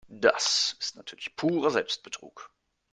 Das ist natürlich purer Selbstbetrug.